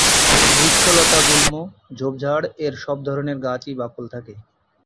বৃক্ষ, লতা-গুল্ম, ঝোপঝাড় এর সব ধরনের গাছের-ই বাকল থাকে।